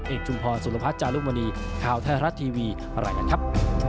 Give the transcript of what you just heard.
ชุมพรสุรพัฒน์จารุมณีข่าวไทยรัฐทีวีรายงานครับ